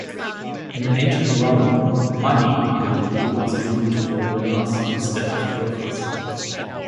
In ancient Rome, money usually was given to winners instead of trophies.